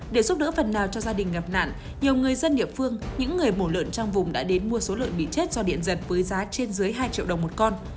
để giúp đỡ phần nào cho gia đình gặp nạn nhiều người dân địa phương những người mổ lợn trong vùng đã đến mua số lợn bị chết do điện giật với giá trên dưới hai triệu đồng một con